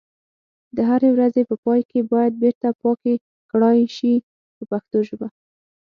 د هرې ورځې په پای کې باید بیرته پاکي کړای شي په پښتو ژبه.